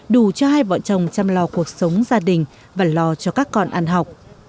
đủ cho hai vợ chồng chăm lo cuộc sống gia đình và lo cho các con ăn học